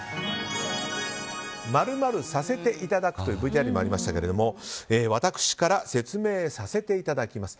○○させていただくというＶＴＲにもありましたが私から説明させていただきます。